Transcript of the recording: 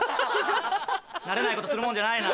慣れないことするもんじゃないな。